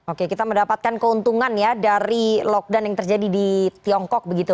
oke kita mendapatkan keuntungan ya dari lockdown yang terjadi di tiongkok begitu